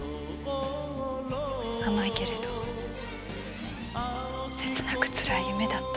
甘いけれど切なくつらい夢だった。